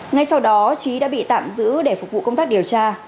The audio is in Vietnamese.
ngay sau đó trí đã bị tạm giữ để phục vụ công tác điều tra